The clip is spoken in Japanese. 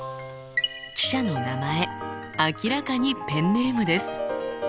記者の名前明らかにペンネームです。